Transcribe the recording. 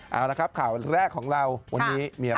เอาละครับข่าวแรกของเราวันนี้มีอะไร